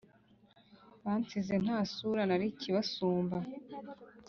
Bansize nta sura Nari ikibasumba